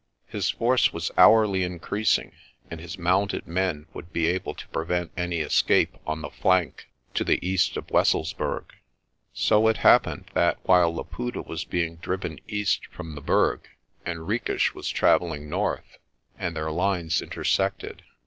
His force was hourly increasing and his mounted men would be able to prevent any escape on the flank to the east of Wesselsburg. So it happened that while Laputa was being driven east from the Berg, Henriques was travelling north, and their lines intersected.